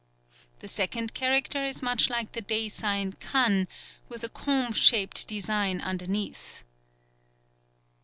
The second character is much like the day sign Kan, with a "comb" shaped design underneath. 14th.